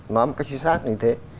nói một cách chính xác như thế